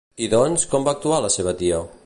I doncs, com va actuar la seva tia?